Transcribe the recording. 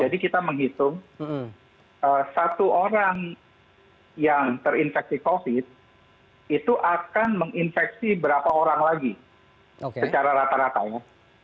jadi kita menghitung satu orang yang terinfeksi covid itu akan menginfeksi berapa orang lagi secara rata rata ya